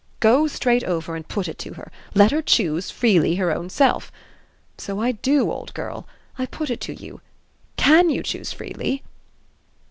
'Go straight over and put it to her: let her choose, freely, her own self.' So I do, old girl I put it to you. CAN you choose freely?"